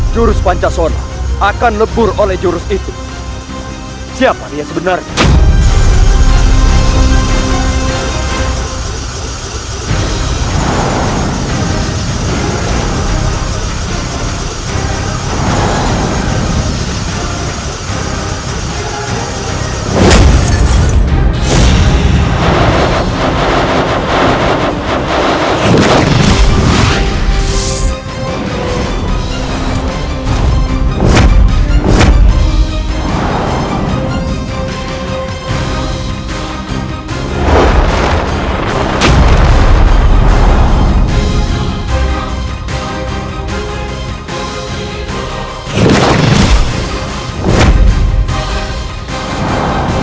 jurus pancasona akan lebur oleh jurus itu siapa dia sebenarnya